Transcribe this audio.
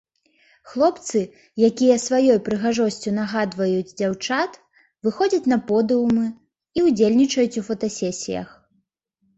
Хлопцы, якія сваёй прыгажосцю нагадваюць дзяўчат, выходзяць на подыумы і ўдзельнічаюць у фотасесіях.